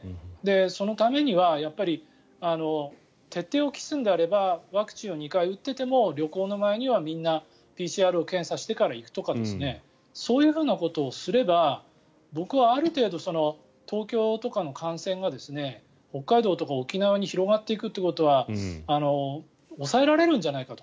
そのためには徹底を期すのであればワクチンを２回打ってても旅行の前にはみんなＰＣＲ検査をして行くとかそういうふうなことをすれば僕はある程度東京とかの感染が北海道とか沖縄に広がっていくということは抑えられるんじゃないかと。